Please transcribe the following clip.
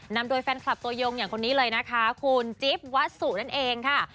นำโดยแฟนคลับตัวยงอย่างคนนี้เลยนะคะคุณจิ๊บวัสสุนั่นเองค่ะ